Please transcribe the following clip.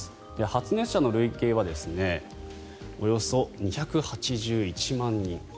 発熱者の累計はおよそ２８１万人。